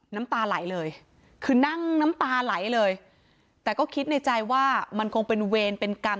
น้ำตาไหลเลยคือนั่งน้ำตาไหลเลยแต่ก็คิดในใจว่ามันคงเป็นเวรเป็นกรรม